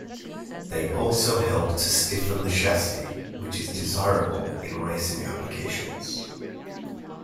They also help to stiffen the chassis, which is desirable in racing applications.